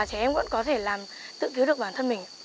trẻ em cũng có thể làm tự thiếu được bản thân mình